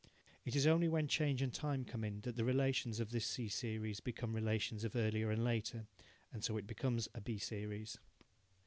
It is only when change and time come in that the relations of this C series become relations of earlier and later, and so it becomes a B series.